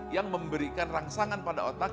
yang memberikan rangsangan pada otak